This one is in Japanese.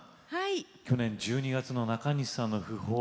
去年１２月のなかにしさんの訃報